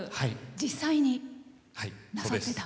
実際になさってた。